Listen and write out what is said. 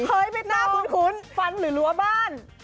เคยไปตรงฟันหรือลัวบ้าน